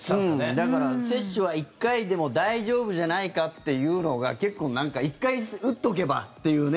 だから、接種は１回でも大丈夫じゃないかっていうのが結構、なんか１回打っておけばっていうね。ね。